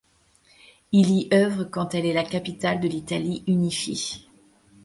Il y œuvre quand elle est la capitale de l'Italie unifiée.